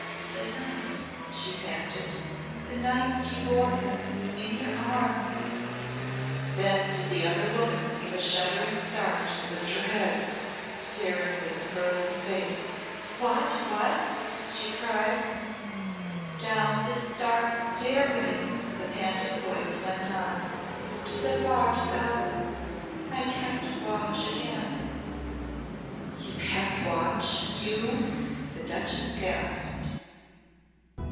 "The night," she panted "the night you bore him in your arms " Then did the other woman give a shuddering start and lift her head, staring with a frozen face. "What! what!" she cried. "Down the dark stairway," the panting voice went on, "to the far cellar I kept watch again." "You kept watch you?" the duchess gasped.